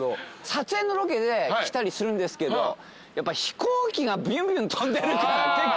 撮影のロケで来たりするんですけどやっぱ飛行機がビュンビュン飛んでるから結構。